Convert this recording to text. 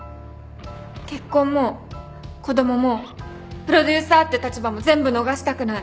結婚も子供もプロデューサーって立場も全部逃したくない。